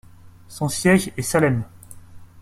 Son siège est Salem.